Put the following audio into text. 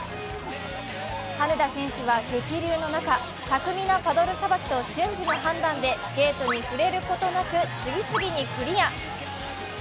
羽根田選手は激流の中、巧みなパドルさばきと瞬時の判断でゲートに触れることなく次々とクリア。